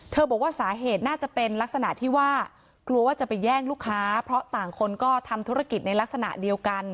บอกว่าสาเหตุน่าจะเป็นลักษณะที่ว่ากลัวว่าจะไปแย่งลูกค้าเพราะต่างคนก็ทำธุรกิจในลักษณะเดียวกัน